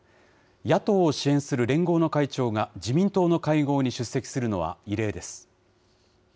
野党を支援する連合の会長が、自民党の会合に出席するのは異例です。